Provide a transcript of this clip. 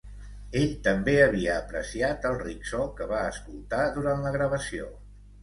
Ell també havia apreciat el ric so que va escoltar durant la gravació.